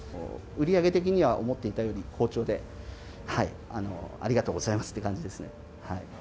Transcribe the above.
売り上げ的には思っていたより好調で、ありがとうございますっていう感じですね。